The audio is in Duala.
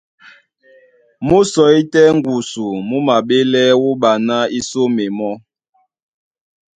Mú sɔí tɛ́ ŋgusu, mú maɓélɛ́ wúɓa ná í sóme mɔ́.